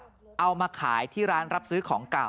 เอามาขายที่ร้านรับซื้อของเก่า